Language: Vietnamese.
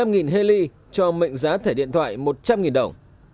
một trăm một mươi năm nghìn heli cho mệnh giá thẻ điện thoại một trăm linh nghìn đồng